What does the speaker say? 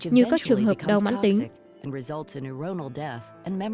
như các trường hợp đau mãn tính